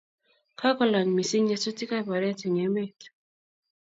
kakolany missing nyasutikab oret eng emet